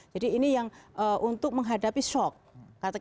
jadi ini yang untuk menghadapi shock